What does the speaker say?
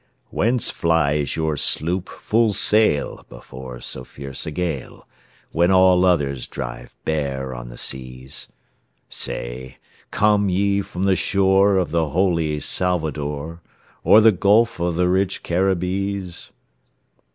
"Whence flies your sloop full sail before so fierce a gale, When all others drive bare on the seas? Say, come ye from the shore of the holy Salvador, Or the gulf of the rich Caribbees?"